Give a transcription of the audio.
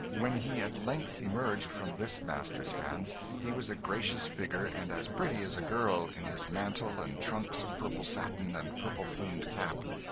When he at length emerged from this master's hands, he was a gracious figure and as pretty as a girl, in his mantle and trunks of purple satin, and purple plumed cap.